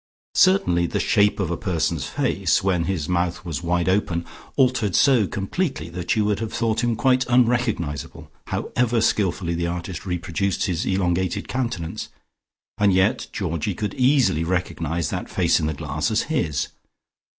Certainly the shape of a person's face, when his mouth was wide open altered so completely that you would have thought him quite unrecognisable, however skilfully the artist reproduced his elongated countenance, and yet Georgie could easily recognise that face in the glass as his.